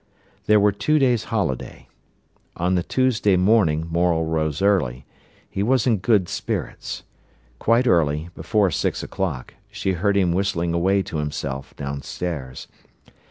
There were two days holiday. On the Tuesday morning Morel rose early. He was in good spirits. Quite early, before six o'clock, she heard him whistling away to himself downstairs.